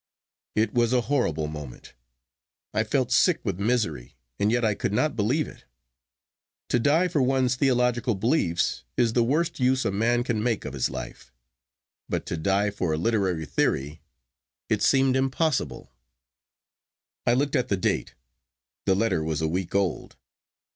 It was a horrible moment. I felt sick with misery, and yet I could not believe it. To die for one's theological beliefs is the worst use a man can make of his life, but to die for a literary theory! It seemed impossible. I looked at the date. The letter was a week old.